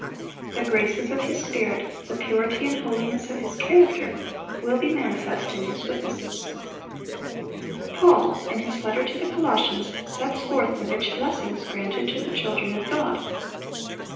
The graces of His Spirit, the purity and holiness of His character, will be manifest in His witnesses. Paul, in his letter to the Colossians, sets forth the rich blessings granted to the children of God.